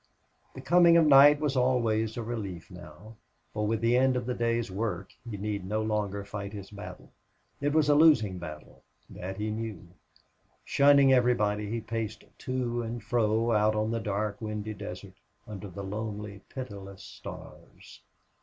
The coming of night was always a relief now, for with the end of the day's work he need no longer fight his battle. It was a losing battle that he knew. Shunning everybody, he paced to and fro out on the dark, windy desert, under the lonely, pitiless stars.